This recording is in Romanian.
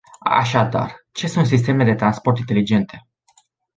Așadar, ce sunt sistemele de transport inteligente?